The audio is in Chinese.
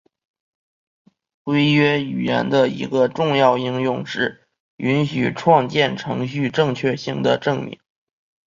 规约语言的一个重要应用是允许创建程序正确性的证明。